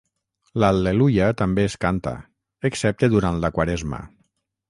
L'Al·leluia també es canta, excepte durant la quaresma.